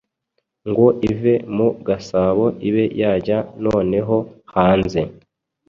ngo ive mu gasabo ibe yajya noneho hanze